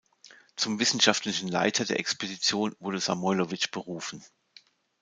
Zum wissenschaftlichen Leiter der Expedition wurde Samoilowitsch berufen.